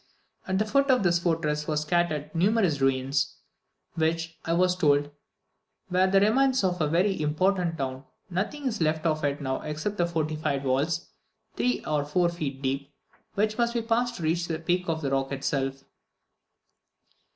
At the foot of this fortress are scattered numerous ruins, which, I was told, were the remains of a very important town; nothing is left of it now except the fortified walls, three or four feet deep, which must be passed to reach the peak of rock itself.